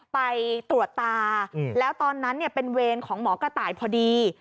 ไปตรวจตาแล้วตอนนั้นเป็นเวรของหมอกระต่ายพอดี